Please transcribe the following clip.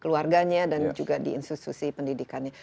keluarganya dan juga di institusi pendidikannya